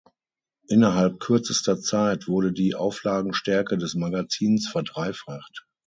Innerhalb kürzester Zeit wurde die Auflagenstärke des Magazins verdreifacht.